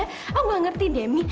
oh gue nggak ngerti demi